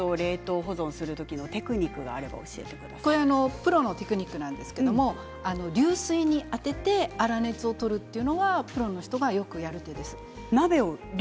プロのテクニックですが流水に当てて粗熱を取るというのはプロの人がよくやる手です。